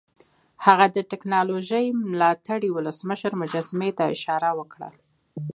هغه د ټیکنالوژۍ ملاتړي ولسمشر مجسمې ته اشاره وکړه